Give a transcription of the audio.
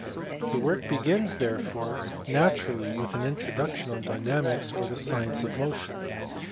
The work begins therefore naturally with an introduction on dynamics or the science of motion.